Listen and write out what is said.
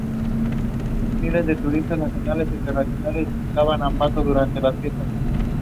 Incumbent Governor Matthew Manotoc is running for reelection.